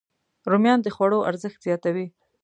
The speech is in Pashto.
رومیان د خوړو ارزښت زیاتوي